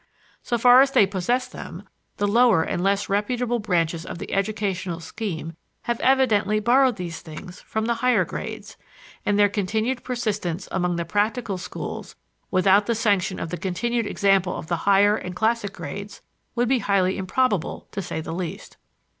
So far as they possess them, the lower and less reputable branches of the educational scheme have evidently borrowed these things from the higher grades; and their continued persistence among the practical schools, without the sanction of the continued example of the higher and classic grades, would be highly improbable, to say the least.